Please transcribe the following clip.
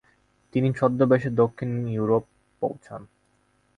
তিনি ছদ্মবেশে দক্ষিণ ইউরোপ পৌছান।